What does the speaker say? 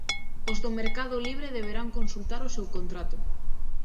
Os do mercado libre deberán consultar o seu contrato.